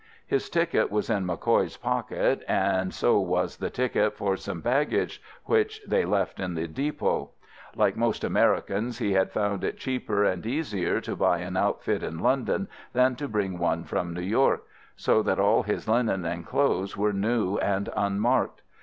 His ticket was in MacCoy's pocket, and so was the ticket for some baggage which they had left at the depôt. Like most Americans, he had found it cheaper and easier to buy an outfit in London than to bring one from New York, so that all his linen and clothes were new and unmarked.